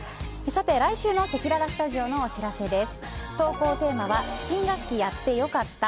来週のせきららスタジオのお知らせです。